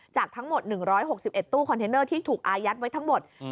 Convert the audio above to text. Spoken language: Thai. จากทั้งหมด๑๖๑ตู้คอนเทนเนอร์ที่ถูกอายัดไว้ทั้งหมด